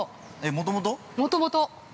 ◆もともと。